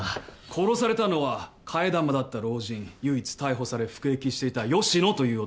殺されたのは替え玉だった老人唯一逮捕され服役していた吉野という男です。